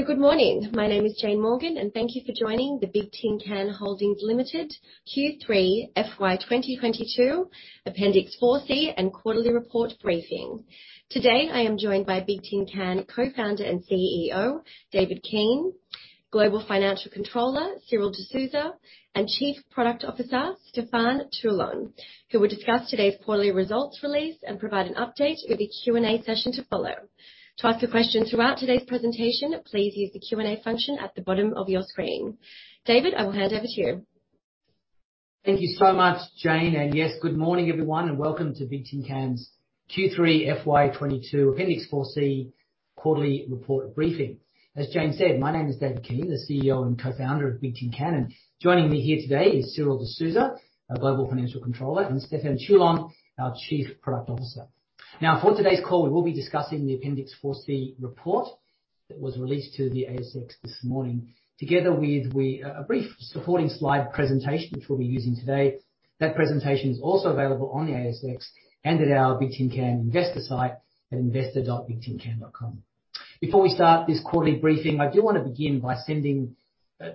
Good morning. My name is Jane Morgan and thank you for joining the Bigtincan Holdings Limited Q3 FY 2022 Appendix 4C and quarterly report briefing. Today I am joined by Bigtincan Co-founder and CEO, David Keane, Global Financial Controller, Cyril D'Souza, and Chief Product Officer, Stefan Teulon, who will discuss today's quarterly results release and provide an update with a Q&A session to follow. To ask a question throughout today's presentation, please use the Q&A function at the bottom of your screen. David, I will hand over to you. Thank you so much, Jane. Yes, good morning, everyone, and Welcome to Bigtincan's Q3 FY 2022 Appendix 4C quarterly report briefing. As Jane said, my name is David Keane, the CEO and co-founder of Bigtincan. Joining me here today is Cyril D'Souza, our Global Financial Controller, and Stefan Teulon, our Chief Product Officer. Now, for today's call, we will be discussing the Appendix 4C report that was released to the ASX this morning, together with a brief supporting slide presentation which we'll be using today. That presentation is also available on the ASX and at our Bigtincan investor site at investor.bigtincan.com. Before we start this quarterly briefing, I do wanna begin by sending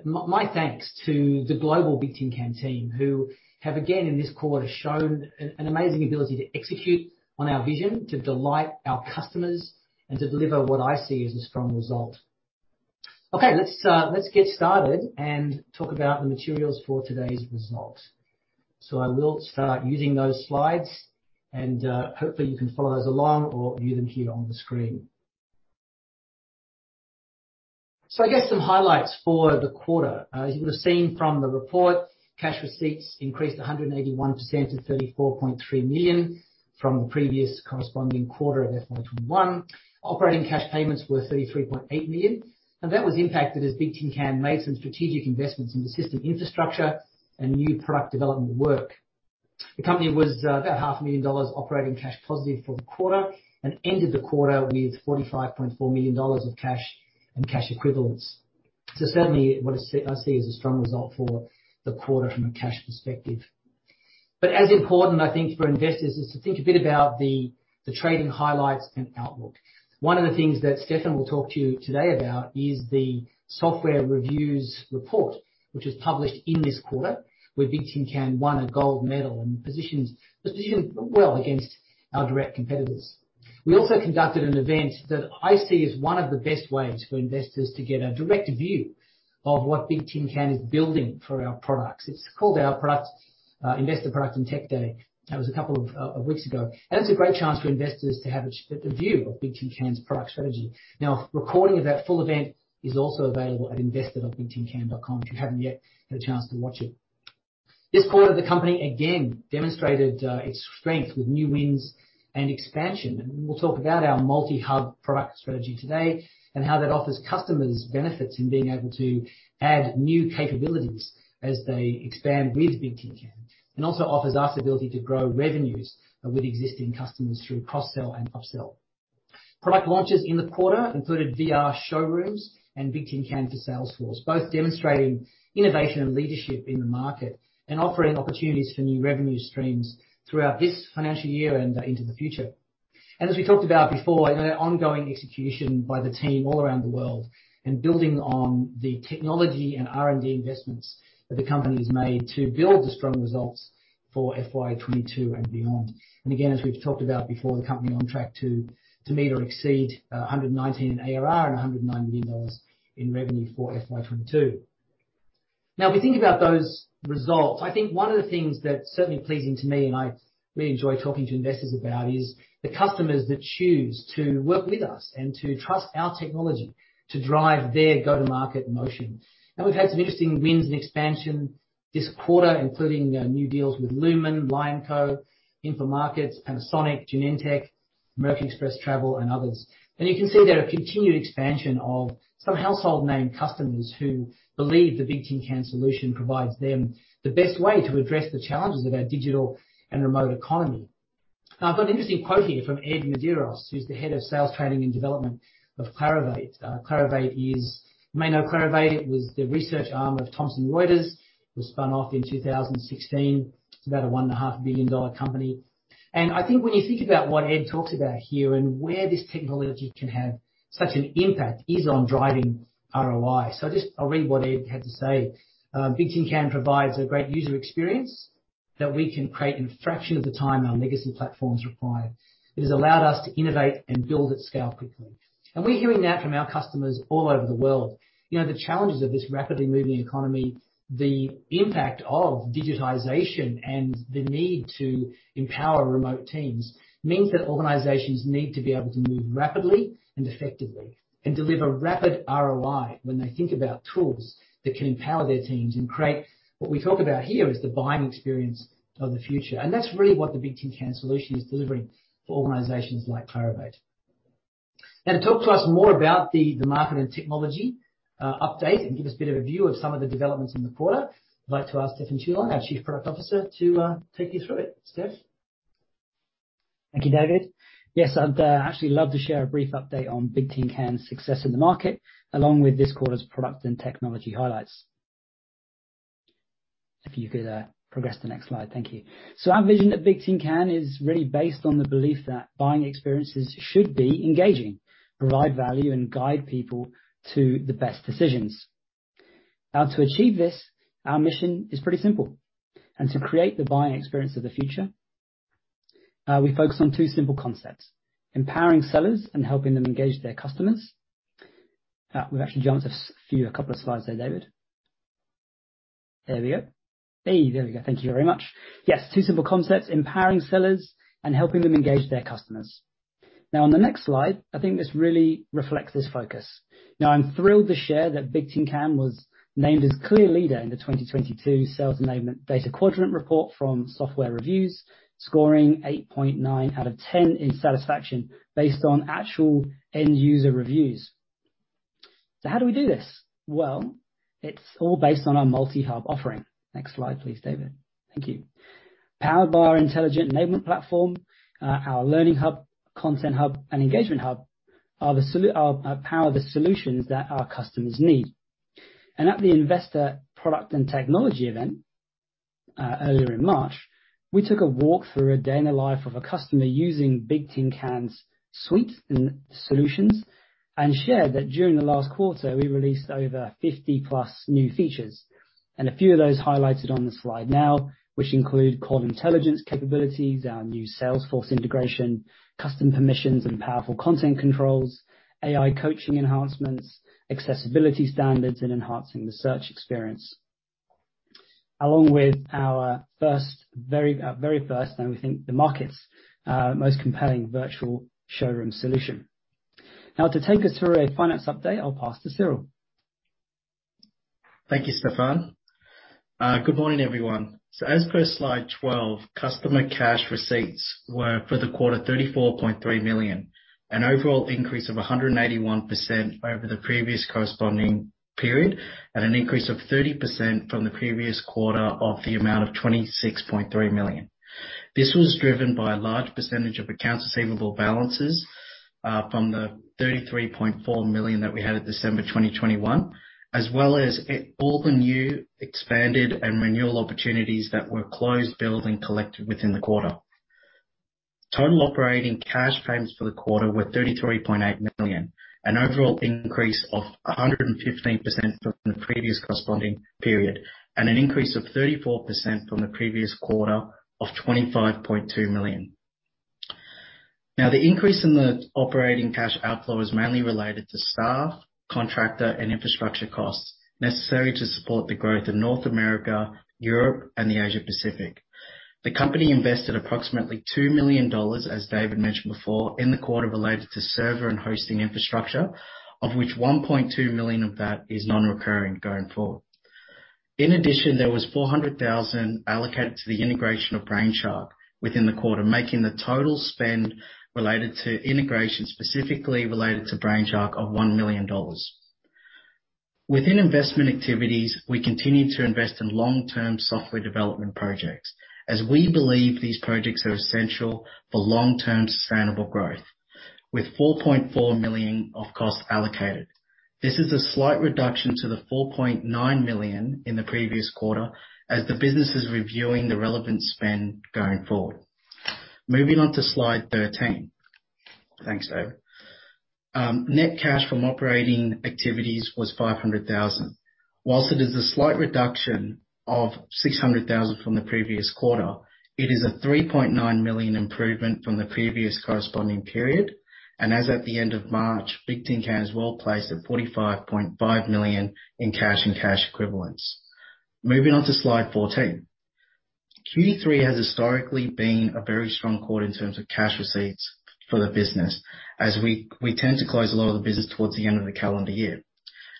my thanks to the global Bigtincan team, who have, again, in this quarter, shown an amazing ability to execute on our vision, to delight our customers, and to deliver what I see as a strong result. Okay. Let's get started and talk about the materials for today's results. I will start using those slides and, hopefully you can follow those along or view them here on the screen. I guess some highlights for the quarter. As you would have seen from the report, cash receipts increased 181% to 34.3 million from the previous corresponding quarter of FY 2021. Operating cash payments were 33.8 million, and that was impacted as Bigtincan made some strategic investments in the system infrastructure and new product development work. The company was about half a million dollars operating cash positive for the quarter and ended the quarter with 45.4 million dollars of cash and cash equivalents. Certainly, what I see I see as a strong result for the quarter from a cash perspective. As important, I think, for investors is to think a bit about the trading highlights and outlook. One of the things that Stefan will talk to you today about is the SoftwareReviews report, which was published in this quarter, where Bigtincan won a gold medal and positioned well against our direct competitors. We also conducted an event that I see as one of the best ways for investors to get a direct view of what Bigtincan is building for our products. It's called our Product, Investor Product and Tech Day. That was a couple of weeks ago. It's a great chance for investors to have a view of Bigtincan's product strategy. Now, recording of that full event is also available at investor.bigtincan.com if you haven't yet had a chance to watch it. This quarter, the company again demonstrated its strength with new wins and expansion. We'll talk about our Multi-Hub product strategy today and how that offers customers benefits in being able to add new capabilities as they expand with Bigtincan, and also offers us the ability to grow revenues with existing customers through cross-sell and upsell. Product launches in the quarter included Virtual Showrooms and Bigtincan for Salesforce, both demonstrating innovation and leadership in the market and offering opportunities for new revenue streams throughout this financial year and into the future. As we talked about before, you know, ongoing execution by the team all around the world and building on the technology and R&D investments that the company has made to build the strong results for FY 2022 and beyond. Again, as we've talked about before, the company on track to meet or exceed 119 million in ARR and 109 million dollars in revenue for FY 2022. Now, if we think about those results, I think one of the things that's certainly pleasing to me, and I really enjoy talking to investors about, is the customers that choose to work with us and to trust our technology to drive their go-to-market motion. Now, we've had some interesting wins and expansion this quarter, including new deals with Lumen, Lionco, Informa, Panasonic, Genentech, Merck, American Express Travel, and others. You can see that a continued expansion of some household name customers who believe the Bigtincan solution provides them the best way to address the challenges of our digital and remote economy. Now, I've got an interesting quote here from Ed Medeiros, who's the Head of Sales Training and Development of Clarivate. Clarivate is. You may know Clarivate, it was the research arm of Thomson Reuters, was spun off in 2016. It's about a 1.5 billion dollar company. I think when you think about what Ed talks about here and where this technology can have such an impact is on driving ROI. Just I'll read what Ed had to say. "Bigtincan provides a great user experience that we can create in fraction of the time our legacy platforms require. It has allowed us to innovate and build at scale quickly." We're hearing that from our customers all over the world. You know, the challenges of this rapidly moving economy, the impact of digitization and the need to empower remote teams means that organizations need to be able to move rapidly and effectively and deliver rapid ROI when they think about tools that can empower their teams and create what we talk about here is the buying experience of the future. That's really what the Bigtincan solution is delivering for organizations like Clarivate. Now to talk to us more about the market and technology update and give us a bit of a view of some of the developments in the quarter, I'd like to ask Stefan Teulon, our Chief Product Officer, to take you through it. Stef? Thank you, David. Yes, I'd actually love to share a brief update on Bigtincan's success in the market, along with this quarter's product and technology highlights. If you could progress the next slide. Thank you. Our vision at Bigtincan is really based on the belief that buying experiences should be engaging, provide value, and guide people to the best decisions. Now, to achieve this, our mission is pretty simple. To create the buying experience of the future, we focus on two simple concepts, empowering sellers and helping them engage their customers. We've actually jumped a couple of slides there, David. There we go. Hey, there we go. Thank you very much. Yes, two simple concepts, empowering sellers and helping them engage their customers. Now on the next slide, I think this really reflects this focus. Now, I'm thrilled to share that Bigtincan was named as clear leader in the 2022 Sales Enablement Data Quadrant report from SoftwareReviews, scoring 8.9 out of ten in satisfaction based on actual end user reviews. How do we do this? Well, it's all based on our multi-Hub offering. Next slide, please, David. Thank you. Powered by our Intelligent Enablement Platform, our Learning Hub, Content Hub, and Engagement Hub are the solutions that our customers need. At the investor product and technology event earlier in March, we took a walk through a day in the life of a customer using Bigtincan's suite and solutions and shared that during the last quarter, we released over 50+ new features. A few of those highlighted on the slide now, which include conversation intelligence capabilities, our new Salesforce integration, custom permissions and powerful content controls, AI coaching enhancements, accessibility standards, and enhancing the search experience. Along with our very first, and we think the market's most compelling Virtual Showroom solution. Now to take us through a finance update, I'll pass to Cyril. Thank you, Stefan. Good morning, everyone. As per slide 12, customer cash receipts were AUD 34.3 million for the quarter, an overall increase of 181% over the previous corresponding period and an increase of 30% from the previous quarter of the amount of 26.3 million. This was driven by a large percentage of accounts receivable balances from the 33.4 million that we had at December 2021, as well as all the new expanded and renewal opportunities that were closed, billed, and collected within the quarter. Total operating cash payments for the quarter were 33.8 million, an overall increase of 115% from the previous corresponding period, and an increase of 34% from the previous quarter of 25.2 million. Now, the increase in the operating cash outflow is mainly related to staff, contractor, and infrastructure costs necessary to support the growth in North America, Europe, and the Asia Pacific. The company invested approximately 2 million dollars, as David mentioned before, in the quarter related to server and hosting infrastructure, of which 1.2 million of that is non-recurring going forward. In addition, there was 400,000 allocated to the integration of Brainshark within the quarter, making the total spend related to integration, specifically related to Brainshark, of 1 million dollars. Within investment activities, we continue to invest in long-term software development projects as we believe these projects are essential for long-term sustainable growth with 4.4 million of costs allocated. This is a slight reduction to the 4.9 million in the previous quarter as the business is reviewing the relevant spend going forward. Moving on to slide 13. Thanks, David. Net cash from operating activities was 500,000. While it is a slight reduction of 600,000 from the previous quarter, it is a 3.9 million improvement from the previous corresponding period. As of the end of March, Bigtincan is well placed at 45.5 million in cash and cash equivalents. Moving on to slide 14. Q3 has historically been a very strong quarter in terms of cash receipts for the business as we tend to close a lot of the business towards the end of the calendar year,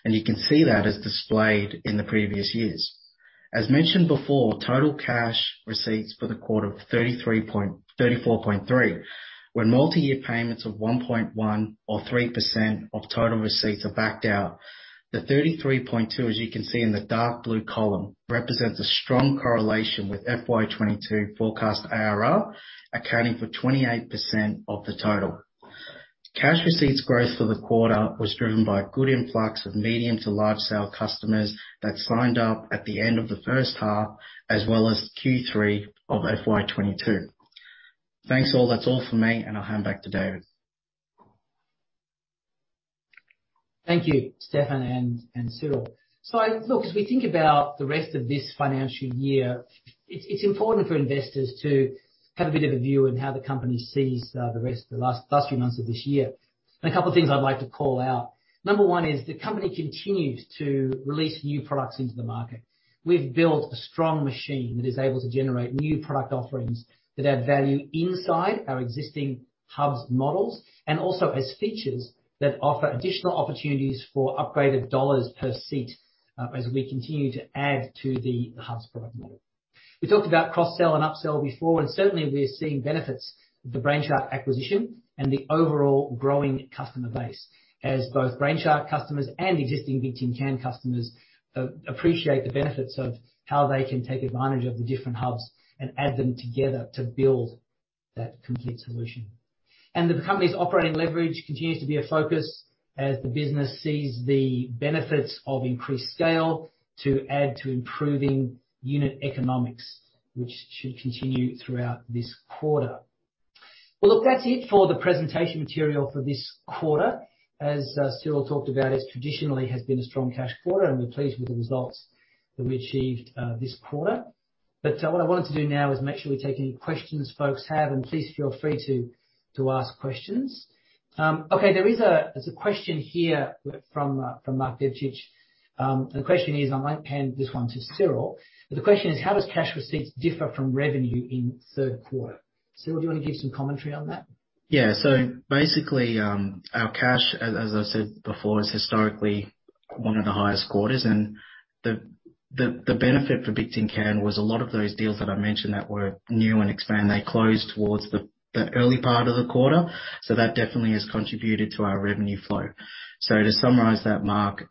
and you can see that as displayed in the previous years. As mentioned before, total cash receipts for the quarter of 34.3 million, when multi-year payments of 1.1 or 3% of total receipts are backed out. The 33.2, as you can see in the dark blue column, represents a strong correlation with FY 2022 forecast ARR, accounting for 28% of the total. Cash receipts growth for the quarter was driven by good influx of medium to large sale customers that signed up at the end of the first half as well as Q3 of FY 2022. Thanks all. That's all for me, and I'll hand back to David. Thank you, Stefan and Cyril D'Souza. Look, as we think about the rest of this financial year, it's important for investors to have a bit of a view on how the company sees the last few months of this year. A couple things I'd like to call out. Number one is the company continues to release new products into the market. We've built a strong machine that is able to generate new product offerings that add value inside our existing hubs models and also as features that offer additional opportunities for upgraded dollars per seat, as we continue to add to the hubs product model. We talked about cross-sell and upsell before, and certainly we are seeing benefits of the Brainshark acquisition and the overall growing customer base as both Brainshark customers and existing Bigtincan customers appreciate the benefits of how they can take advantage of the different hubs and add them together to build. That complete solution. The company's operating leverage continues to be a focus as the business sees the benefits of increased scale to add to improving unit economics, which should continue throughout this quarter. Well, look, that's it for the presentation material for this quarter. As Cyril D'Souza talked about, this traditionally has been a strong cash quarter, and we're pleased with the results that we achieved this quarter. What I wanted to do now is make sure we take any questions folks have, and please feel free to ask questions. Okay, there's a question here from Mark Devcich. The question is, I might hand this one to Cyril D'Souza. The question is: How does cash receipts differ from revenue in third quarter? Cyril D'Souza, do you wanna give some commentary on that? Yeah. Basically, our cash, as I said before, is historically one of the highest quarters. The benefit for Bigtincan was a lot of those deals that I mentioned that were new and expanded, they closed towards the early part of the quarter, so that definitely has contributed to our revenue flow. To summarize that, Mark,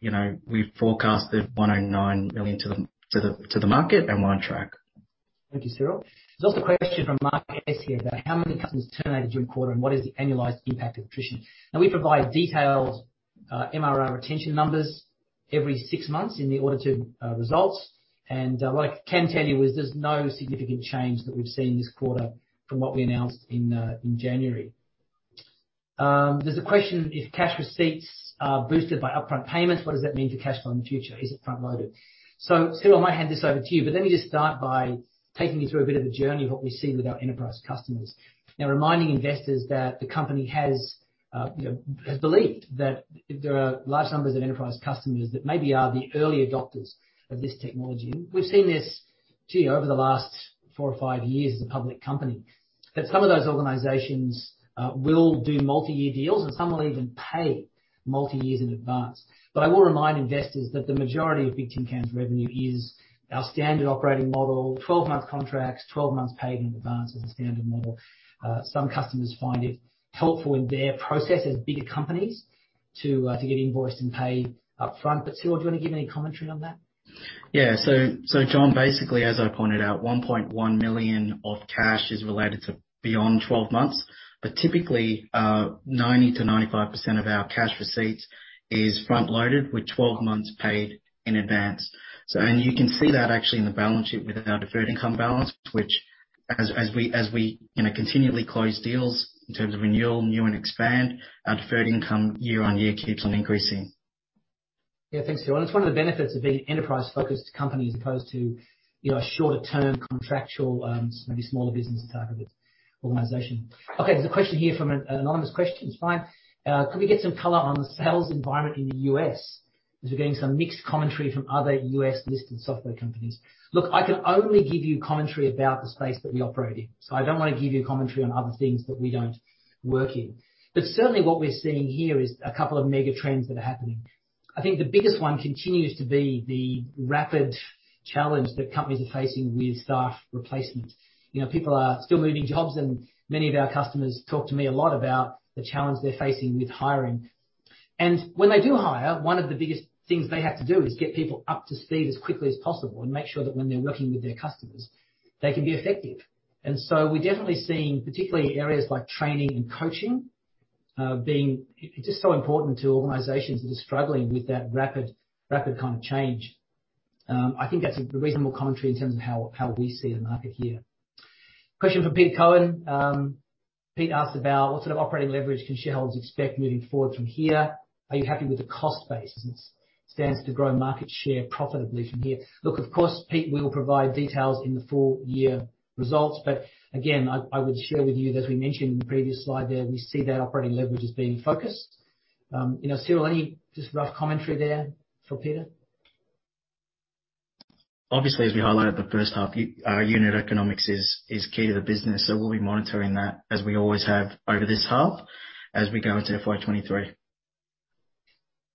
you know, we forecasted 109 million to the market and we're on track. Thank you, Cyril. There's also a question from Mark S. here about how many customers terminated during quarter, and what is the annualized impact of attrition. Now, we provide detailed MRR retention numbers every six months in the results. What I can tell you is there's no significant change that we've seen this quarter from what we announced in January. There's a question, if cash receipts are boosted by upfront payments, what does that mean for cash flow in the future? Is it front-loaded? Cyril, I might hand this over to you but let me just start by taking you through a bit of a journey of what we see with our enterprise customers. Reminding investors that the company has believed that there are large numbers of enterprise customers that maybe are the early adopters of this technology. We've seen this too over the last four or five years as a public company, that some of those organizations will do multi-year deals and some will even pay multi-years in advance. I will remind investors that the majority of Bigtincan's revenue is our standard operating model, 12-month contracts, 12 months paid in advance as a standard model. Some customers find it helpful in their process as bigger companies to get invoiced and paid up front. Cyril, do you wanna give any commentary on that? John, basically, as I pointed out, 1.1 million of cash is related to beyond 12 months. Typically, 90%-95% of our cash receipts is front-loaded with 12 months paid in advance. You can see that actually in the balance sheet with our deferred income balance, which, as we you know, continually close deals in terms of renewal, new and expand, our deferred income year-over-year keeps on increasing. Yeah. Thanks, Cyril. It's one of the benefits of being an enterprise-focused company as opposed to, you know, a shorter term contractual, maybe smaller business type of organization. Okay. There's a question here from an anonymous question. It's fine. Could we get some color on the sales environment in the U.S., as we're getting some mixed commentary from other U.S.-listed software companies? I can only give you commentary about the space that we operate in. I don't wanna give you commentary on other things that we don't work in. Certainly, what we're seeing here is a couple of mega trends that are happening. I think the biggest one continues to be the rapid challenge that companies are facing with staff replacement. You know, people are still leaving jobs and many of our customers talk to me a lot about the challenge they're facing with hiring. When they do hire, one of the biggest things they have to do is get people up to speed as quickly as possible and make sure that when they're working with their customers, they can be effective. We're definitely seeing particularly areas like training and coaching being. It's just so important to organizations that are struggling with that rapid kind of change. I think that's a reasonable commentary in terms of how we see the market here. Question from Pete Cohen. Pete asked about what sort of operating leverage can shareholders expect moving forward from here. Are you happy with the cost base as it stands to grow market share profitably from here? Look, of course, Pete, we'll provide details in the full year results. Again, I would share with you that as we mentioned in the previous slide there, we see that operating leverage as being focused. You know, Cyril, any just rough commentary there for Peter? Obviously, as we highlighted the first half, our unit economics is key to the business, so we'll be monitoring that as we always have over this half as we go into FY 2023.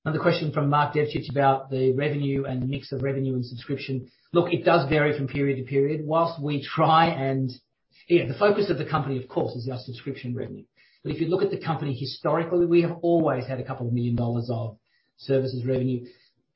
Another question from Mark Devcich about the revenue and the mix of revenue and subscription. Look, it does vary from period to period. While the focus of the company, of course, is our subscription revenue. If you look at the company historically, we have always had a couple of million dollars of services revenue.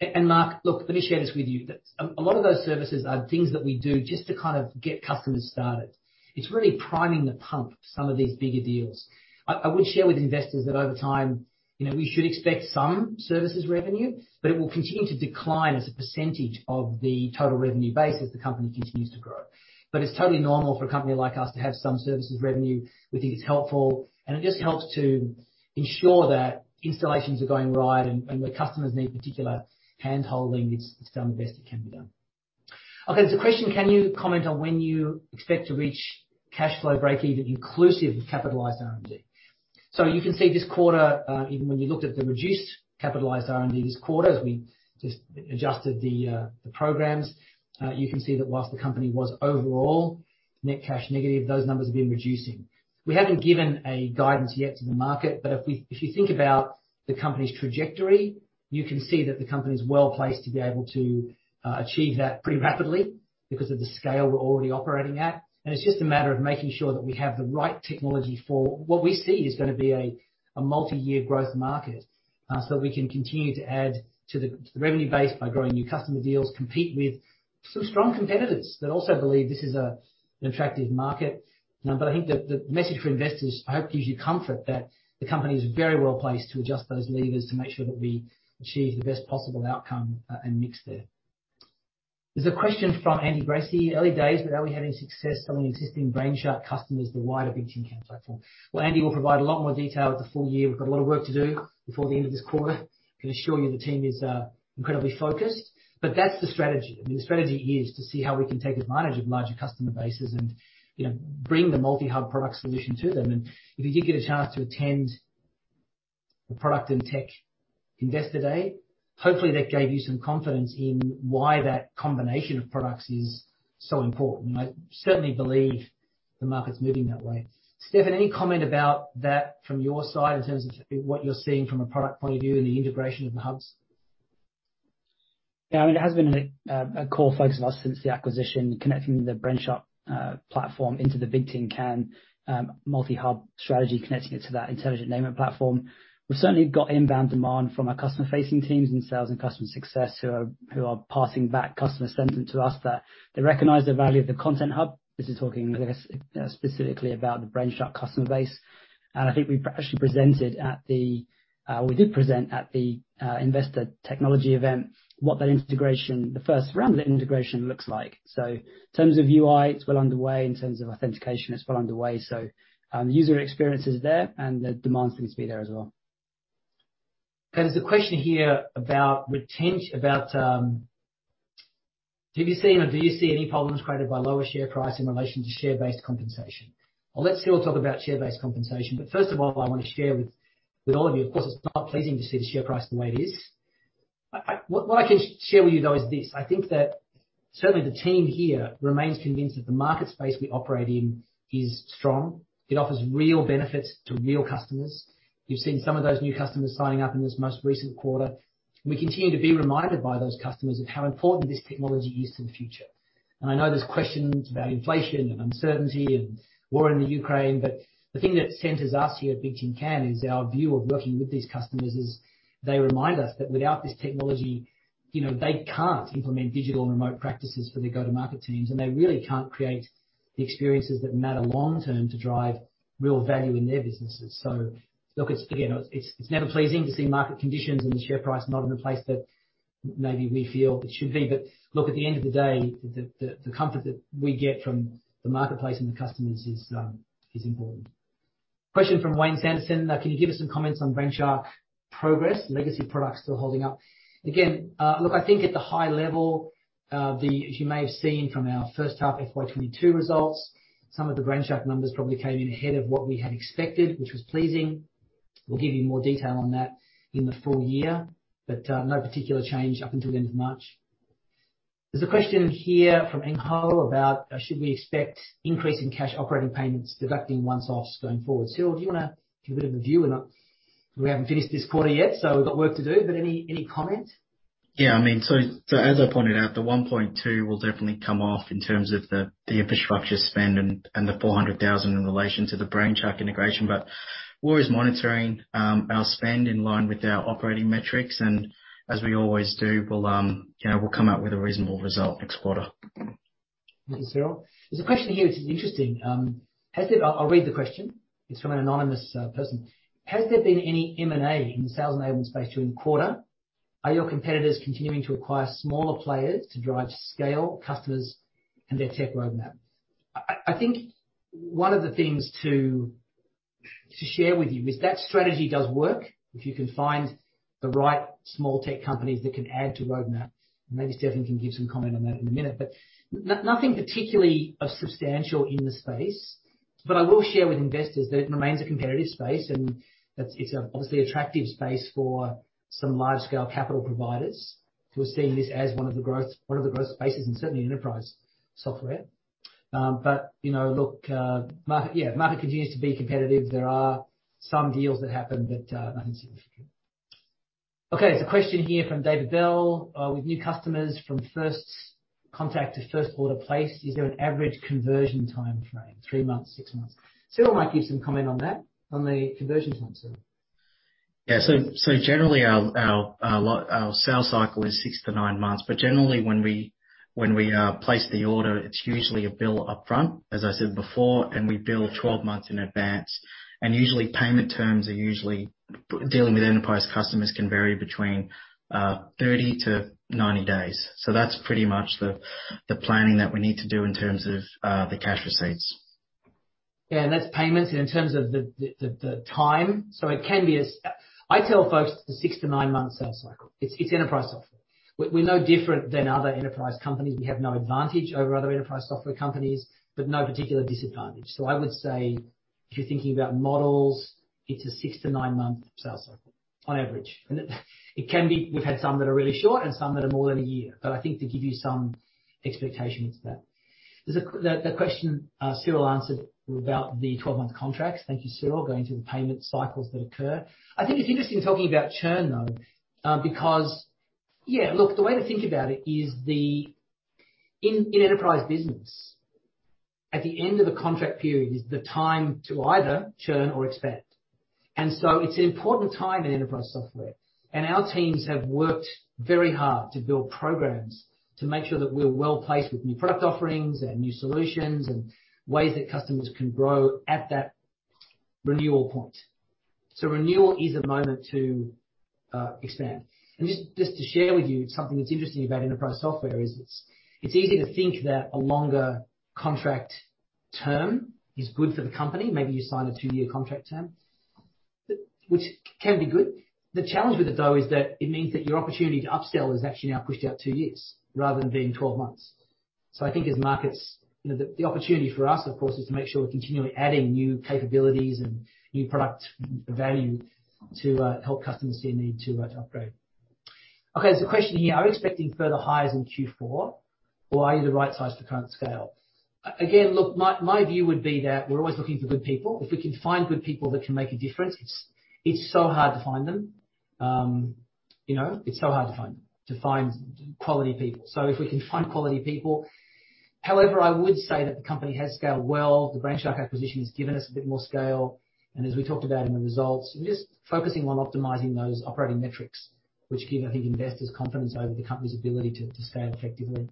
And Mark, look, let me share this with you. That a lot of those services are things that we do just to kind of get customers started. It's really priming the pump for some of these bigger deals. I would share with investors that over time, you know, we should expect some services revenue, but it will continue to decline as a percentage of the total revenue base as the company continues to grow. It's totally normal for a company like us to have some services revenue. We think it's helpful, and it just helps to ensure that installations are going right and where customers need particular handholding, it's done the best it can be done. Okay. There's a question. Can you comment on when you expect to reach cash flow breakeven inclusive of capitalized R&D? You can see this quarter, even when you looked at the reduced capitalized R&D this quarter, as we just adjusted the programs, you can see that while the company was overall net cash negative, those numbers have been reducing. We haven't given guidance yet to the market, but if you think about the company's trajectory, you can see that the company's well-placed to be able to achieve that pretty rapidly because of the scale we're already operating at. It's just a matter of making sure that we have the right technology for what we see is going to be a multi-year growth market. We can continue to add to the revenue base by growing new customer deals, compete with some strong competitors that also believe this is an attractive market. But I think the message for investors, I hope, gives you comfort that the company is very well-placed to adjust those levers to make sure that we achieve the best possible outcome, and mix there. There's a question from Andy Gracie. Early days, but are we having success selling existing Brainshark customers the wider Bigtincan platform? Well, Andy, we'll provide a lot more detail at the full year. We've got a lot of work to do before the end of this quarter. I can assure you the team is incredibly focused. That's the strategy. I mean, the strategy is to see how we can take advantage of larger customer bases and, you know, bring the Multi-Hub product solution to them. If you did get a chance to attend the product and tech investor day, hopefully that gave you some confidence in why that combination of products is so important. I certainly believe the market's moving that way. Stefan, any comment about that from your side in terms of what you're seeing from a product point of view and the integration of the hubs? Yeah, I mean, it has been a core focus of ours since the acquisition, connecting the Brainshark platform into the Bigtincan multi-hub strategy, connecting it to that Intelligent Enablement Platform. We've certainly got inbound demand from our customer-facing teams and sales and customer success who are passing back customer sentiment to us that they recognize the value of the content hub. This is talking, I guess, specifically about the Brainshark customer base. I think we actually presented at the investor technology event what that integration, the first round of that integration looks like. In terms of UI, it's well underway. In terms of authentication, it's well underway. The user experience is there, and the demand seems to be there as well. There's a question here about do you see, you know, any problems created by lower share price in relation to share-based compensation. Well, let's hear all talk about share-based compensation. First of all, I want to share with all of you, of course, it's not pleasing to see the share price the way it is. What I can share with you, though, is this. I think that certainly the team here remains convinced that the market space we operate in is strong. It offers real benefits to real customers. You've seen some of those new customers signing up in this most recent quarter. We continue to be reminded by those customers of how important this technology is to the future. I know there's questions about inflation and uncertainty and war in the Ukraine, but the thing that centers us here at Bigtincan is our view of working with these customers is they remind us that without this technology, you know, they can't implement digital and remote practices for their go-to-market teams, and they really can't create the experiences that matter long term to drive real value in their businesses. So, look, it's, again, it's never pleasing to see market conditions and the share price not in the place that maybe we feel it should be. But look, at the end of the day, the comfort that we get from the marketplace and the customers is important. Question from Wayne Sanderson. Can you give us some comments on Brainshark progress? Legacy products still holding up. Again, look, I think at the high level, as you may have seen from our first half FY 2022 results, some of the Brainshark numbers probably came in ahead of what we had expected, which was pleasing. We'll give you more detail on that in the full year. No particular change up until the end of March. There's a question here from Eng Ho about should we expect increase in cash operating payments deducting one-offs going forward. Cyril, do you want to give a bit of a view? We haven't finished this quarter yet, so we've got work to do. Any comment? Yeah, I mean, as I pointed out, the 1.2 will definitely come off in terms of the infrastructure spend and the 400,000 in relation to the Brainshark integration. We're always monitoring our spend in line with our operating metrics, and as we always do, we'll, you know, come out with a reasonable result next quarter. Thank you, Cyril D'Souza. There's a question here. It's interesting. I'll read the question. It's from an anonymous person. Has there been any M&A in the sales enablement space during the quarter? Are your competitors continuing to acquire smaller players to drive scale, customers, and their tech roadmap? I think one of the things to share with you is that strategy does work if you can find the right small tech companies that can add to roadmap, and maybe Stefan Teulon can give some comment on that in a minute. Nothing particularly of substantial in the space. I will share with investors that it remains a competitive space, and that it's a obviously attractive space for some large-scale capital providers who are seeing this as one of the growth spaces in certainly enterprise software. Market continues to be competitive. There are some deals that happen, but nothing significant. Okay. There's a question here from David Bell. With new customers from first contact to first order placed, is there an average conversion timeframe, three months, six months? Cyril might give some comment on that, on the conversion time, Cyril. Yeah. Generally, our sales cycle is six to nine months. Generally, when we place the order, it's usually billed up front, as I said before, and we bill 12 months in advance. Usually, payment terms, dealing with enterprise customers, can vary between 30-90 days. That's pretty much the planning that we need to do in terms of the cash receipts. That's payments in terms of the time. I tell folks it's a six to nine-month sales cycle. It's enterprise software. We're no different than other enterprise companies. We have no advantage over other enterprise software companies, but no particular disadvantage. I would say if you're thinking about models, it's a six to nine-month sales cycle on average. It can be. We've had some that are really short and some that are more than a year. I think to give you some expectation into that. There's the question Cyril answered about the 12-month contracts, thank you, Cyril, going through the payment cycles that occur. I think it's interesting talking about churn, though, because, yeah, look, the way to think about it is in enterprise business at the end of the contract period is the time to either churn or expand. It's an important time in enterprise software, and our teams have worked very hard to build programs to make sure that we're well-placed with new product offerings and new solutions and ways that customers can grow at that renewal point. Renewal is a moment to expand. Just to share with you something that's interesting about enterprise software is it's easy to think that a longer contract term is good for the company. Maybe you sign a two-year contract term, which can be good. The challenge with it though is that it means that your opportunity to upsell is actually now pushed out two years rather than being 12 months. I think as markets, you know, the opportunity for us, of course, is to make sure we're continually adding new capabilities and new product value to help customers see a need to upgrade. Okay, there's a question here. Are we expecting further hires in Q4, or are you the right size for current scale? Again, look, my view would be that we're always looking for good people. If we can find good people that can make a difference, it's so hard to find them. You know, it's so hard to find quality people. If we can find quality people. However, I would say that the company has scaled well. The Brainshark acquisition has given us a bit more scale, and as we talked about in the results, we're just focusing on optimizing those operating metrics, which give, I think, investors' confidence over the company's ability to scale effectively.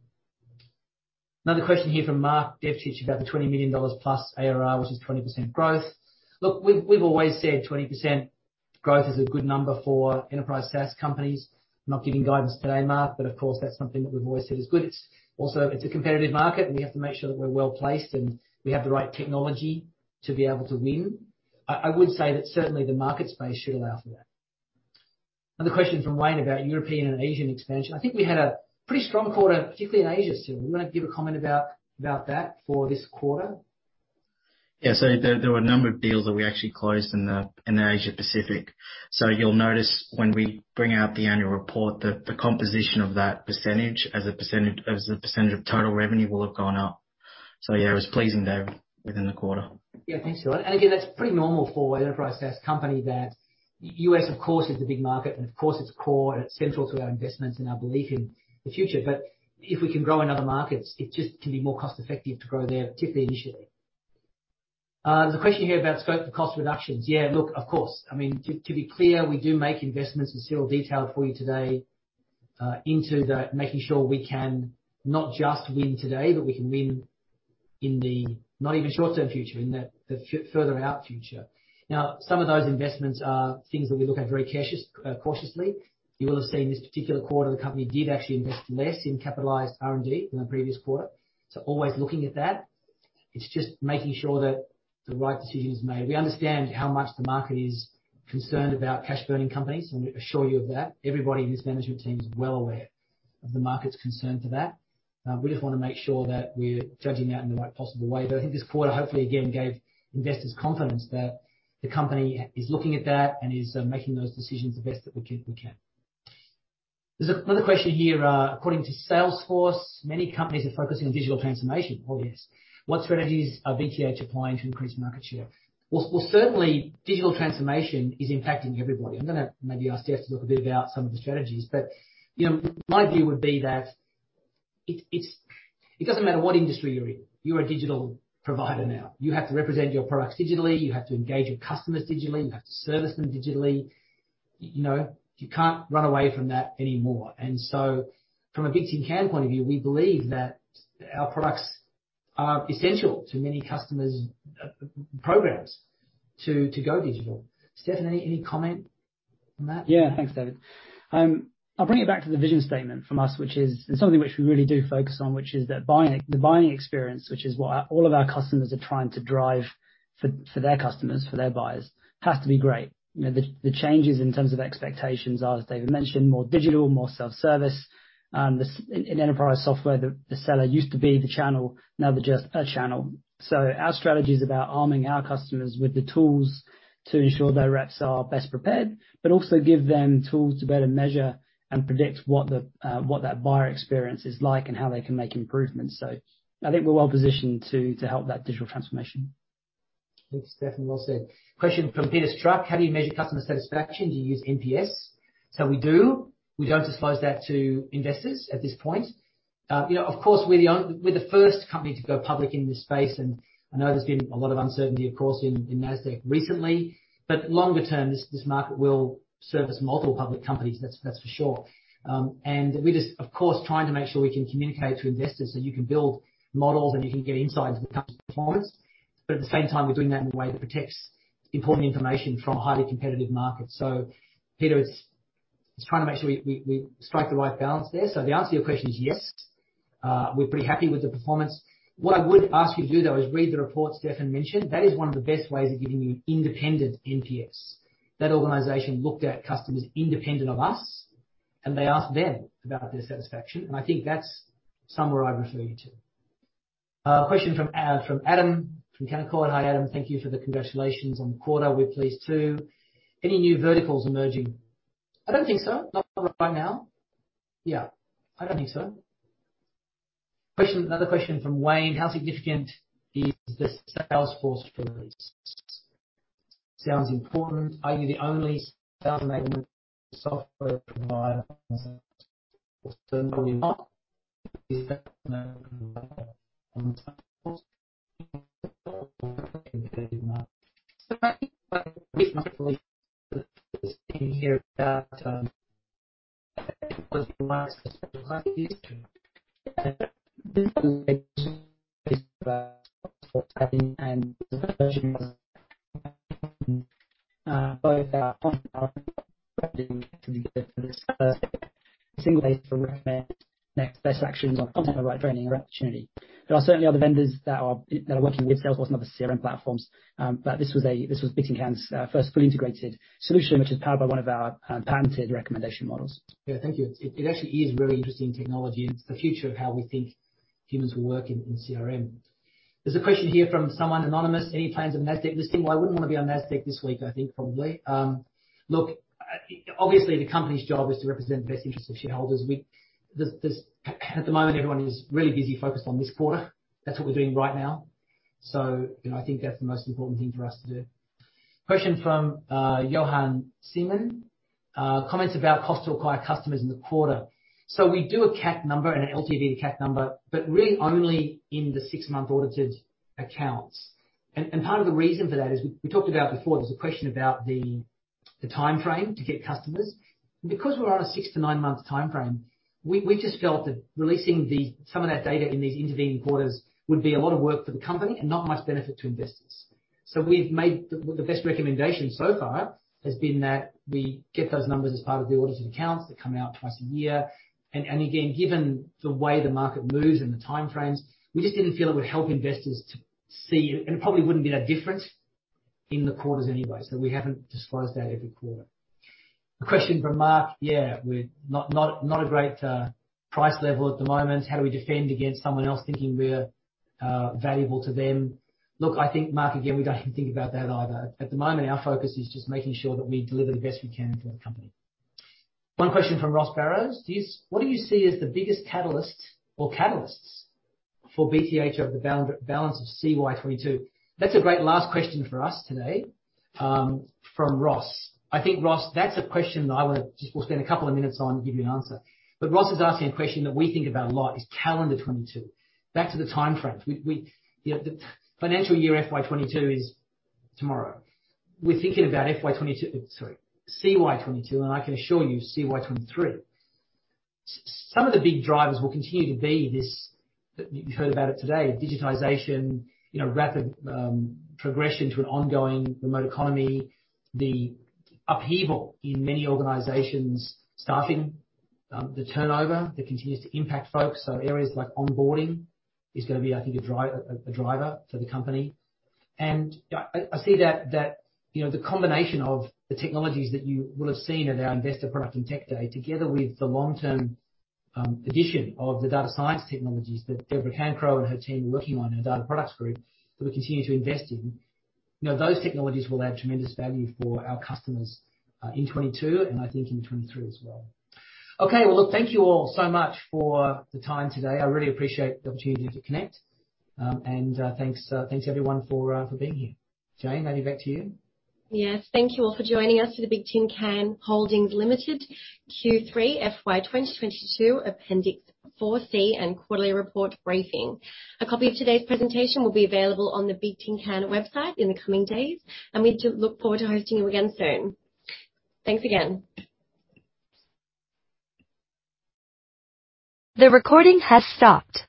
Another question here from Mark Devcich about the 20 million dollars plus ARR, which is 20% growth. Look, we've always said 20% growth is a good number for enterprise SaaS companies. Not giving guidance today, Mark, but of course, that's something that we've always said is good. It's also. It's a competitive market, and we have to make sure that we're well-placed, and we have the right technology to be able to win. I would say that certainly the market space should allow for that. Another question from Wayne about European and Asian expansion. I think we had a pretty strong quarter, particularly in Asia, Stewart. You wanna give a comment about that for this quarter? Yeah. There were a number of deals that we actually closed in the Asia Pacific. You'll notice when we bring out the annual report that the composition of that percentage as a percentage of total revenue will have gone up. Yeah, it was pleasing, David, within the quarter. Yeah. Thanks, Stuart. Again, that's pretty normal for an enterprise SaaS company that U.S., of course, is a big market, and of course, it's core and it's central to our investments and our belief in the future. If we can grow in other markets, it just can be more cost-effective to grow there, particularly initially. There's a question here about scope for cost reductions. Yeah, look, of course. I mean, to be clear, we do make investments, and Stuart will detail it for you today, into the making sure we can not just win today, but we can win in the not even short-term future, in the further out future. Now, some of those investments are things that we look at very cautiously. You will have seen this particular quarter, the company did actually invest less in capitalized R&D than the previous quarter. Always looking at that. It's just making sure that the right decision is made. We understand how much the market is concerned about cash burning companies. Let me assure you of that. Everybody in this management team is well aware of the market's concern for that. We just want to make sure that we're judging that in the right possible way. I think this quarter, hopefully, again, gave investors' confidence that the company is looking at that and is making those decisions the best that we can. There's another question here. According to Salesforce, many companies are focusing on digital transformation. Oh, yes. What strategies are BTH applying to increase market share? Well, certainly digital transformation is impacting everybody. I'm gonna maybe ask Stuart to talk a bit about some of the strategies. You know, my view would be that it doesn't matter what industry you're in. You're a digital provider now. You have to represent your products digitally. You have to engage your customers digitally. You have to service them digitally. You know, you can't run away from that anymore. From a Bigtincan point of view, we believe that our products are essential to many customers, programs to go digital. Stewart, any comment on that? Yeah. Thanks, David. I'll bring it back to the vision statement from us, which is something which we really do focus on, which is that the buying experience, which is what all of our customers are trying to drive for their customers, for their buyers, has to be great. You know, the changes in terms of expectations are, as David mentioned, more digital, more self-service. In enterprise software, the seller used to be the channel, now they're just a channel. Our strategy is about arming our customers with the tools to ensure their reps are best prepared but also give them tools to better measure and predict what that buyer experience is like and how they can make improvements. I think we're well positioned to help that digital transformation. Thanks, Stewart. Well said. Question from Peter Struck. How do you measure customer satisfaction? Do you use NPS? We do. We don't disclose that to investors at this point. You know, of course, we're the first company to go public in this space, and I know there's been a lot of uncertainty, of course, in Nasdaq recently. Longer term, this market will service multiple public companies, that's for sure. We're just, of course, trying to make sure we can communicate to investors, so you can build models, and you can get insight into the company's performance. At the same time, we're doing that in a way that protects important information from a highly competitive market. Peter, it's trying to make sure we strike the right balance there. The answer to your question is yes. We're pretty happy with the performance. What I would ask you to do, though, is read the report Stuart mentioned. That is one of the best ways of giving you independent NPS. That organization looked at customers independent of us, and they asked them about their satisfaction, and I think that's somewhere I would refer you to. Question from Adam from Canaccord Genuity. Hi, Adam. Thank you for the congratulations on the quarter. We're pleased too. Any new verticals emerging? I don't think so. Not right now. Yeah. I don't think so. Question, another question from Wayne. How significant is the Salesforce release? Sounds important. Are you the only data management software provider? Best actions on content or right training or opportunity. There are certainly other vendors that are working with Salesforce and other CRM platforms. This was Bigtincan's first fully integrated solution, which is powered by one of our patented recommendation models. Yeah. Thank you. It actually is really interesting technology and it's the future of how we think humans will work in CRM. There's a question here from someone anonymous. Any plans of Nasdaq listing? Well, I wouldn't want to be on Nasdaq this week, I think probably. Obviously, the company's job is to represent the best interest of shareholders. At the moment, everyone is really busy focused on this quarter. That's what we're doing right now. You know, I think that's the most important thing for us to do. Question from Johann Simon. Comments about cost to acquire customers in the quarter. We do a CAC number and an LTV to CAC number, but really only in the six-month audited accounts. Part of the reason for that is we talked about before, there's a question about the timeframe to get customers. Because we're on a six to nine month timeframe, we just felt that releasing some of that data in these intervening quarters would be a lot of work for the company and not much benefit to investors. We've made the best recommendation so far has been that we get those numbers as part of the audited accounts that come out twice a year. Again, given the way the market moves and the timeframes, we just didn't feel it would help investors to see, and it probably wouldn't be that different in the quarters anyway, so we haven't disclosed that every quarter. A question from Mark. Yeah. We're not a great price level at the moment. How do we defend against someone else thinking we're valuable to them? Look, I think, Mark, again, we don't even think about that either. At the moment, our focus is just making sure that we deliver the best we can for the company. One question from Ross Barrows. What do you see as the biggest catalyst or catalysts for BTH over the balance of CY 2022? That's a great last question for us today from Ross. I think, Ross, that's a question that just we'll spend a couple of minutes on and give you an answer. Ross is asking a question that we think about a lot, is calendar 2022. Back to the timeframes. We, you know, the financial year FY 2022 is tomorrow. We're thinking about FY 2022. Sorry. CY 2022, and I can assure you CY 2023. Some of the big drivers will continue to be this, you've heard about it today, digitization, you know, rapid progression to an ongoing remote economy. The upheaval in many organizations. Staffing. The turnover that continues to impact folks. Areas like onboarding is gonna be, I think, a driver for the company. I see that, you know, the combination of the technologies that you will have seen at our investor product and tech day, together with the long-term addition of the data science technologies that Debra Cancro and her team are working on in the data products group, that we continue to invest in. You know, those technologies will add tremendous value for our customers in 2022 and I think in 2023 as well. Okay. Well, look, thank you all so much for the time today. I really appreciate the opportunity to connect. Thanks everyone for being here. Jane, maybe back to you. Yes. Thank you all for joining us for the Bigtincan Holdings Limited Q3 FY 2022 Appendix 4C and quarterly report briefing. A copy of today's presentation will be available on the Bigtincan website in the coming days, and we do look forward to hosting you again soon. Thanks again. The recording has stopped.